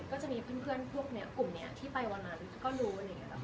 ก็จะมีเพื่อนพวกกลุ่มนี้ที่ไปวันนั้นก็รู้